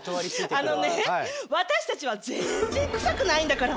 あのね私たちは全然臭くないんだから。